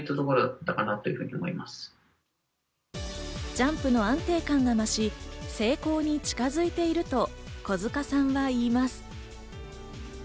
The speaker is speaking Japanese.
ジャンプの安定感が増し、成功に近づいていると小塚さんは言います。